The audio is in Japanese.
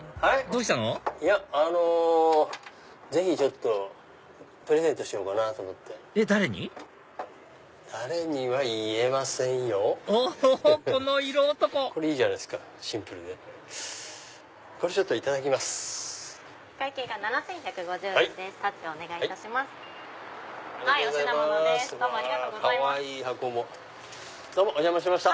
どうもお邪魔しました。